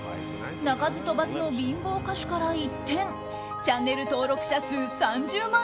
鳴かず飛ばずの貧乏歌手から一転チャンネル登録者数３０万